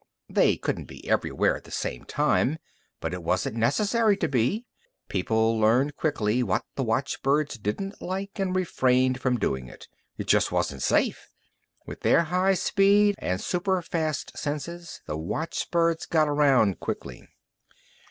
They couldn't be everywhere at the same time, but it wasn't necessary to be. People learned quickly what the watchbirds didn't like and refrained from doing it. It just wasn't safe. With their high speed and superfast senses, the watchbirds got around quickly.